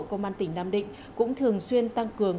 công an tỉnh nam định cũng thường xuyên tăng cường